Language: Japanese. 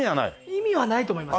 意味はないと思いますよ。